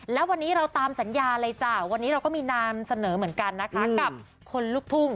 แล้ววันนี้เราตามสัญญาเลยจ้ะวันนี้เราก็มีนามเสนอเหมือนกันนะคะกับคนลุกทุ่ง